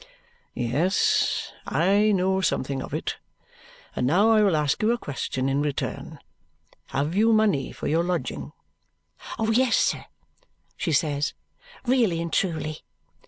"Yes, I know something of it. And now I will ask you a question in return. Have you money for your lodging?" "Yes, sir," she says, "really and truly."